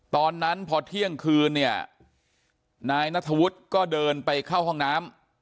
ตอนนั้นพอเที่ยงคืนเนี่ยนายนัทธวุฒิก็เดินไปเข้าห้องน้ำ